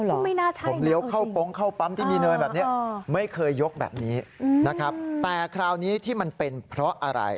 ผมไม่น่าใช่ผมเลี้ยวเข้าโป๊งเข้าปั๊มที่มีเนินแบบนี้ไม่เคยยกแบบนี้นะครับแต่คราวนี้ที่มันเป็นเพราะอะไร